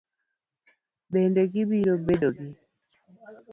Bende gibiro bedo gi